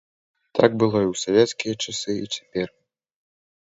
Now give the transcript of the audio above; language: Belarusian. Так было і ў савецкія часы, і цяпер.